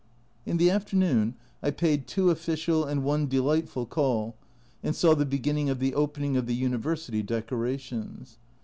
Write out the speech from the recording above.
In the afternoon I paid two official and one delight ful call, and saw the beginning of the " Opening of the University " decorations.